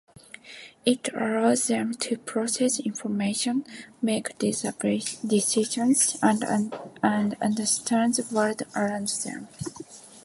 It allows them to process information, make decisions, and understand the world around them.